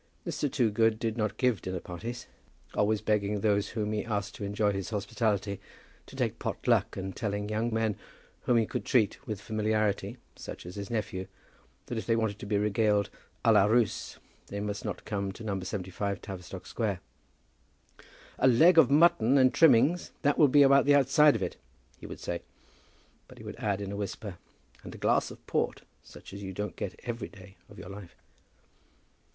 Mr. Toogood did not give dinner parties; always begging those whom he asked to enjoy his hospitality, to take pot luck, and telling young men whom he could treat with familiarity, such as his nephew, that if they wanted to be regaled à la Russe they must not come to number 75, Tavistock Square. "A leg of mutton and trimmings; that will be about the outside of it," he would say; but he would add in a whisper, "and a glass of port such as you don't get every day of your life."